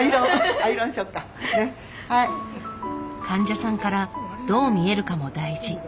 患者さんからどう見えるかも大事。